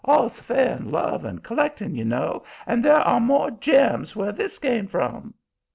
All's fair in love and collecting, you know, and there are more gems where this came from."